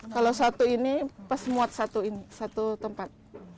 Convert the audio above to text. kalau satu ini pas muat satu ini satu tempat